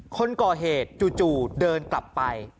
คนก่อเหตุจู่เดินกลับไป